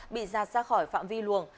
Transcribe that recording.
bị giặt ra khỏi phạm vi luồng